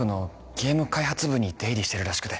ゲーム開発部に出入りしてるらしくて